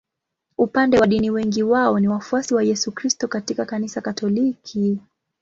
Upande wa dini wengi wao ni wafuasi wa Yesu Kristo katika Kanisa Katoliki.